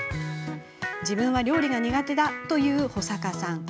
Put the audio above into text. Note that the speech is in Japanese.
自分は料理が苦手だという保坂さん。